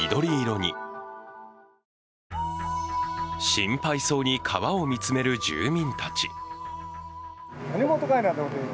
心配そうに川を見つめる住民たち。